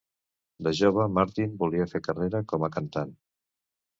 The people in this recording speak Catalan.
De jove, Martin volia fer carrera com a cantant.